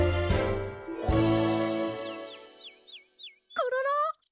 コロロ！